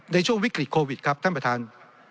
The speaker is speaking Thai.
ในช่วงวิกฤตโควิดครับท่านประธาน